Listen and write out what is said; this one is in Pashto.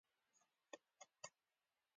د میزبان په نه موجودیت کې بقا نه لري.